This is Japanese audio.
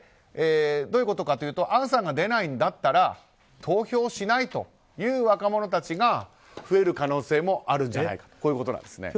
どういうことかというとアンさんが出ないとなると投票しないという若者たちが増える可能性もあるんじゃないかということなんです。